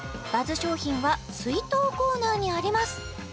バズ商品は水筒コーナーにあります